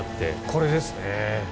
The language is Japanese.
これですね。